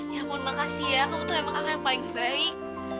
ya mohon makasih ya kamu tuh emang aku yang paling baik